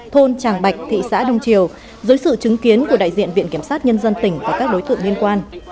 thôn tràng bạch thị xã đông triều dưới sự chứng kiến của đại diện viện kiểm sát nhân dân tỉnh và các đối tượng liên quan